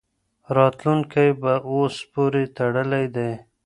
راتلونکی په اوس پوري تړلی دی.